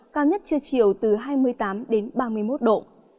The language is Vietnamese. cao nhất trưa chiều từ hai mươi tám đến ba mươi một độ